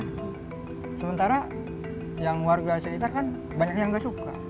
nah sementara yang warga sekitar kan banyak yang nggak suka